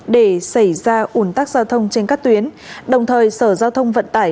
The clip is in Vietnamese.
để xảy ra ủn tắc giao thông trên các tuyến đồng thời sở giao thông vận tải